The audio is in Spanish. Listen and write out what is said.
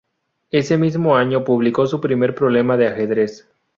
Ese mismo año publicó su primer problema de ajedrez.